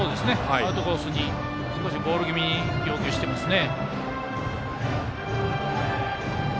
アウトコースにボール気味に要求していますね。